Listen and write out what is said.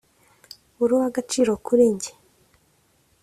uri uw’agaciro kuri njye